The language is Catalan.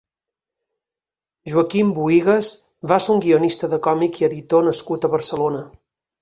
Joaquín Buigas va ser un guionista de còmic i editor nascut a Barcelona.